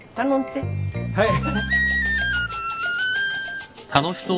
はい！